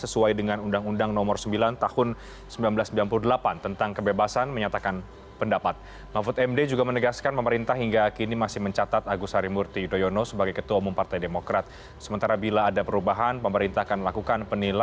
bung herman khairul